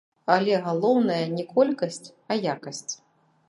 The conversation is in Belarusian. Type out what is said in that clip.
Але галоўнае не колькасць, а якасць.